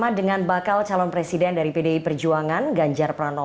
ada pak erick ada pak sandiaga uno kan banyak kan